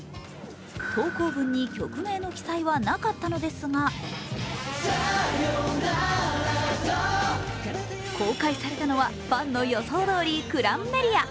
投稿文に曲名の記載はなかったのですが公開されたのは、ファンの予想どおり「クランメリア」。